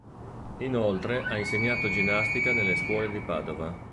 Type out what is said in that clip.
Inoltre ha insegnato ginnastica nelle scuole di Padova.